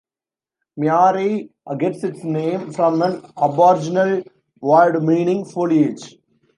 Myaree gets its name from an Aboriginal word meaning foliage.